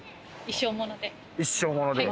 一生もので。